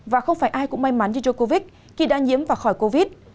và không phải ai cũng may mắn như djokovic khi đã nhiễm và khỏi covid